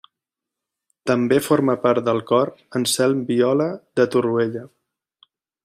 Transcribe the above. També forma part del cor Anselm Viola de Torroella.